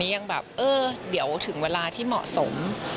ยังแบบเออเดี๋ยวถึงเวลาที่เหมาะสม